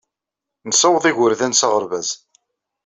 Nessaweḍ igerdan s aɣerbaz.